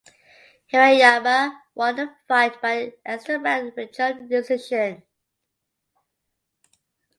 Hirayama won the fight by an extra round majority decision.